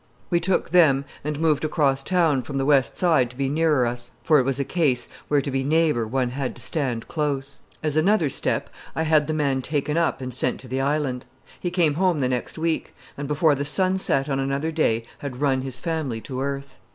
We took them and moved them across town from the West Side to be nearer us, for it was a case where to be neighbor one had to stand close. As another step, I had the man taken up and sent to the Island. He came home the next week, and before the sun set on another day had run his family to earth.